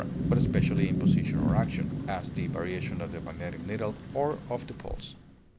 but especially in position or action; as, the variation of the magnetic needle or of the pulse.